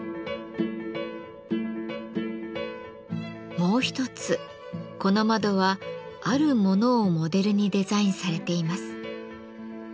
もう一つこの窓はあるものをモデルにデザインされています。